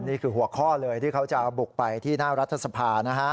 นี่คือหัวข้อเลยที่เขาจะบุกไปที่หน้ารัฐสภานะฮะ